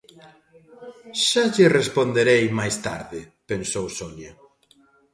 'Xa lle responderei máis tarde' pensou Sonia.